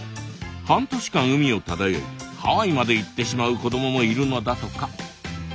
半年間海を漂いハワイまで行ってしまう子供もいるのだとか。